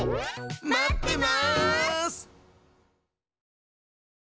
待ってます！